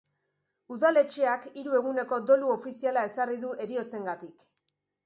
Udaletxeak hiru eguneko dolu ofiziala ezarri du heriotzengatik.